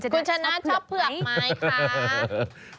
คุณชนะชอบเผือกไหมคะ